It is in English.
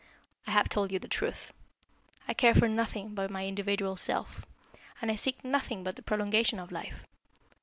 I have told you the truth. I care for nothing but my individual self, and I seek nothing but the prolongation of life.